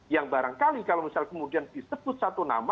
yang barangkali kalau misal kemudian disebut satu nama